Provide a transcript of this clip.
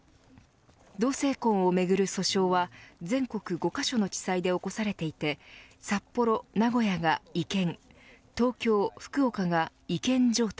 同性婚をめぐる訴訟は全国５カ所の地裁で起こされていて札幌、名古屋が違憲東京、福岡が違憲状態